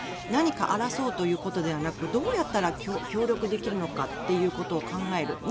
何か争うということではなくどうやったら協力できるのか考える。